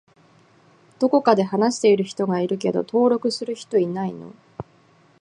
どこかで話している人がいるけど登録する人いないの？